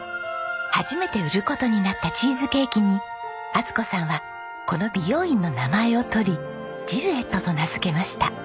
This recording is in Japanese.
初めて売る事になったチーズケーキに充子さんはこの美容院の名前をとり「ジルエット」と名付けました。